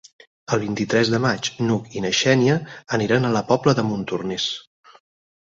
El vint-i-tres de maig n'Hug i na Xènia aniran a la Pobla de Montornès.